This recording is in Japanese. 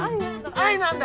愛なんだ！